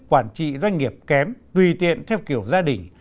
quản trị doanh nghiệp kém tùy tiện theo kiểu gia đình